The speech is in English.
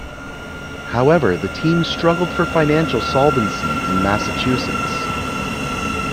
However, the team struggled for financial solvency in Massachusetts.